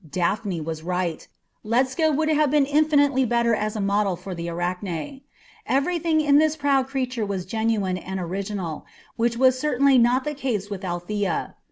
Daphne was right. Ledscha would have been infinitely better as a model for the Arachne. Everything in this proud creature was genuine and original, which was certainly not the case with Althea.